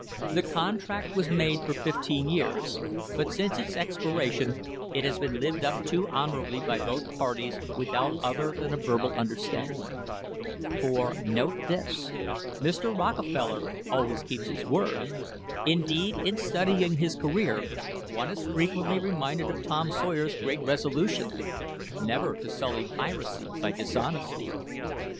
The contract was made for fifteen years, but since its expiration it has been lived up to honourably by both parties without other than a verbal understanding. For, note this: Mr. Rockefeller always keeps his word. Indeed, in studying his career, one is frequently reminded of Tom Sawyer's great resolution never to sully piracy by dishonesty!